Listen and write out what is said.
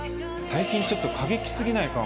最近ちょっと過激過ぎないか？